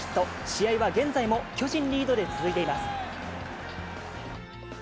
試合は現在も巨人リードで続いています。